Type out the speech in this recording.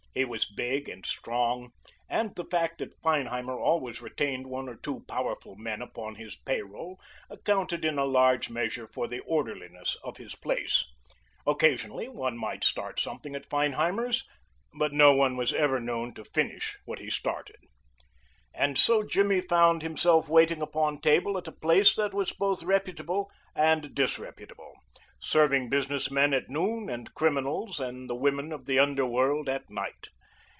He was big and strong, and the fact that Feinheimer always retained one or two powerful men upon his payroll accounted in a large measure for the orderliness of his place. Occasionally one might start something at Feinheimer's, but no one was ever known to finish what he started. And so Jimmy found himself waiting upon table at a place that was both reputable and disreputable, serving business men at noon and criminals and the women of the underworld at night.